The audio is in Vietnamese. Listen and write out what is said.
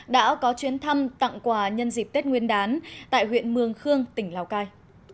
đã có chuyến thăm tặng quà nhân dịp tết nguyên đán tại huyện mường khương tỉnh lào cai